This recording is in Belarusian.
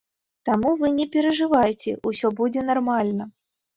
Таму вы не перажывайце, усё будзе нармальна.